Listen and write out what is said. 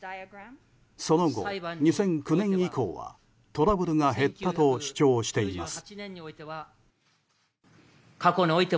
その後、２００９年以降はトラブルが減ったと主張しています。